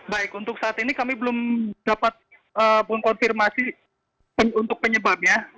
baik untuk saat ini kami belum dapat mengkonfirmasi untuk penyebabnya